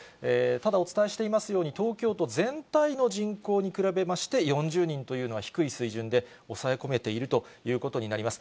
ただ、お伝えしていますように、東京都全体の人口に比べまして４０人というのは低い水準で、抑え込めているということになります。